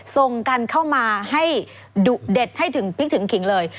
ส่งกันเข้ามาให้ดุเด็ดให้ถึงพริกถึงขิงเลย